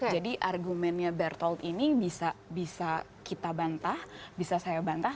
jadi argumennya bertolt ini bisa kita bantah bisa saya bantah